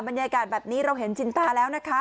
บรรยากาศแบบนี้เราเห็นจินตาแล้วนะคะ